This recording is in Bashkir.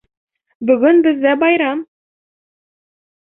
— Бөгөн беҙҙә байрам!